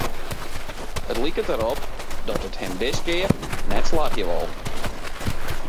It liket derop dat it him diskear net slagje wol.